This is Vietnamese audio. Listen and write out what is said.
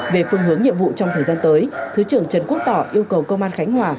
về phương hướng nhiệm vụ trong thời gian tới thứ trưởng trần quốc tỏ yêu cầu công an khánh hòa